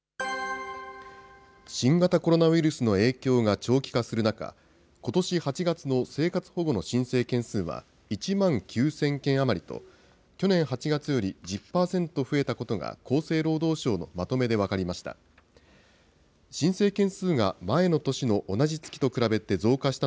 新型コロナウイルスの影響が長期化する中、ことし８月の生活保護の申請件数は、１万９０００件余りと、去年８月より１０％増えたことが、厚生労働省のまとめで分かりました。